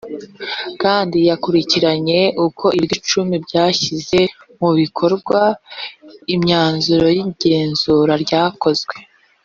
rgb kandi yakurikiranye uko ibigo icumi byashyize mu bikorwa imyanzuro y igenzura ryakozwe